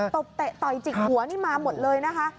ตบเตะต่อยจิกหัวนี่มาหมดเลยนะคะ